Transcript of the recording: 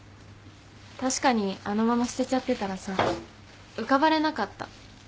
確かにあのまま捨てちゃってたらさ浮かばれなかった。